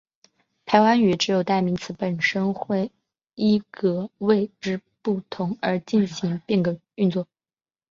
排湾语只有代词本身会依格位之不同而进行变格运作。